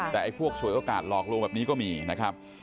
แต่ไอ้พวกฉวยโอกาสหลอกลวงแบบนี้ก็มีนะครับ